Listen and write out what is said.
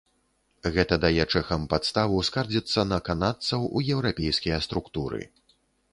Гэта дае чэхам падставу скардзіцца на канадцаў у еўрапейскія структуры.